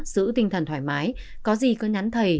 giữ tinh thần thoải mái có gì có nhắn thầy